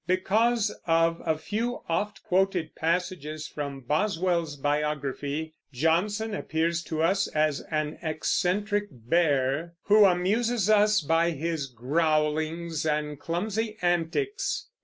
Because of a few oft quoted passages from Boswell's biography, Johnson appears to us as an eccentric bear, who amuses us by his growlings and clumsy antics.